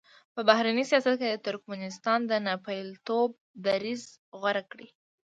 په بهرني سیاست کې ترکمنستان د ناپېیلتوب دریځ غوره کړی.